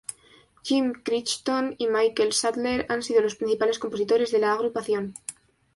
Jim Crichton y Michael Sadler han sido los principales compositores de la agrupación.